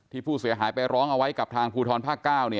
ผู้เสียหายไปร้องเอาไว้กับทางภูทรภาค๙